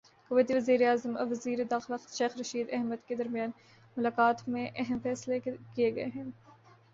کویتی وزیراعظم اور وزیر داخلہ شیخ رشید احمد کے درمیان ملاقات میں اہم فیصلے کیے گئے ہیں